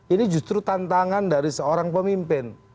ini justru tantangan dari seorang pemimpin